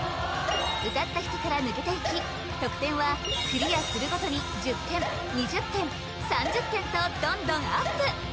歌った人から抜けていき得点はクリアするごとに１０点２０点３０点とどんどんアップ！